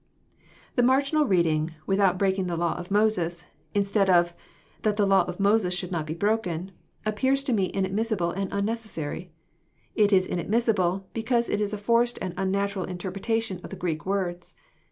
The marginal reading, '* without breaking the law of Moses," instead of, "that the law of Moses should not be broken, appears to me inadmissible and unnecessary. It is inadmissible, because it is a forced and unnatural interpretation of the Greek words.